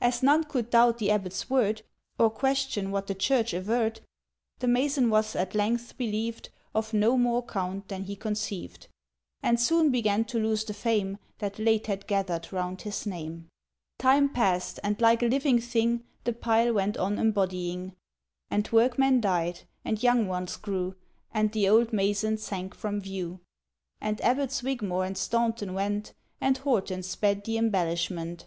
—As none could doubt the abbot's word, Or question what the church averred, The mason was at length believed Of no more count than he conceived, And soon began to lose the fame That late had gathered round his name ... —Time passed, and like a living thing The pile went on embodying, And workmen died, and young ones grew, And the old mason sank from view And Abbots Wygmore and Staunton went And Horton sped the embellishment.